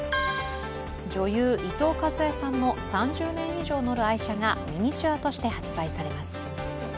女優・伊藤かずえさんの３０年以上乗る愛車がミニチュアとして発売されます。